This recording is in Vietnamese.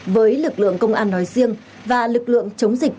với lực lượng công an nói riêng và lực lượng chống dịch